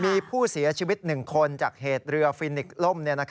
มีผู้เสียชีวิต๑คนจากเหตุเรือฟินิกล่ม